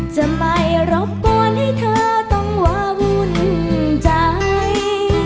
จะไม่รบกวนให้เธอต้องวาวุ่นใจ